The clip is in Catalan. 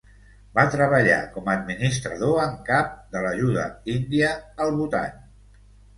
Va treballar com a administrador en cap de l'ajuda índia al Bhutan.